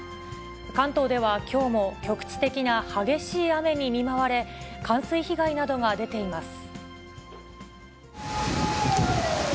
関東ではきょうも、局地的な激しい雨に見舞われ、冠水被害などが出ています。